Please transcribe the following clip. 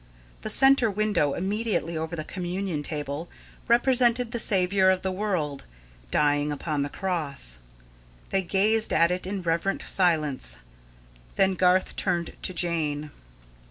The centre window, immediately over the communion table, represented the Saviour of the world, dying upon the cross. They gazed at it in reverent silence. Then Garth turned to Jane.